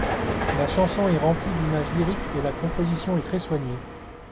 La chanson est remplie d'images lyriques, et la composition est très soignée.